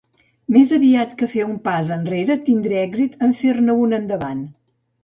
Més aviat que fer un pas enrere tindré èxit en fer-ne un endavant.